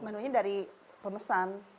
menunya dari pemesan